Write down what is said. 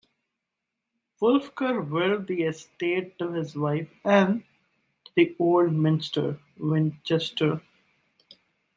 Wulfgar willed the estate to his wife and then to the Old Minster, Winchester.